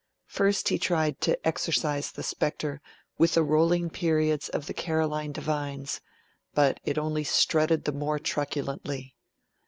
First he tried to exorcise the spectre with the rolling periods of the Caroline divines; but it only strutted the more truculently.